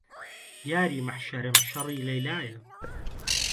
یاری مەحشەرم شەڕی لەیلایە